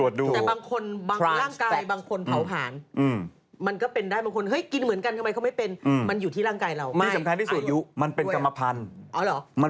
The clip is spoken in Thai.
จัดสร้างแรกก็เป็นได้คนลาภานแล้ว